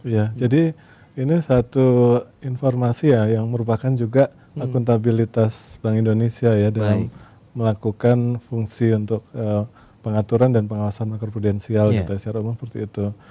ya jadi ini satu informasi ya yang merupakan juga akuntabilitas bank indonesia ya dalam melakukan fungsi untuk pengaturan dan pengawasan makro prudensial kita secara umum seperti itu